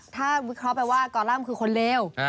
ถ้าวิเคราะห์ไปว่ากอลัมคือคนเลว